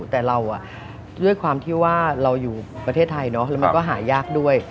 แต่เราด้วยความที่ว่าเราอยู่ประเทศไทยแล้วมันก็หายากด้วย